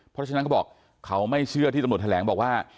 เพราะฉะนั้นเขาบอกเขาไม่เชื่อที่ตำรวจแถลงบอกว่า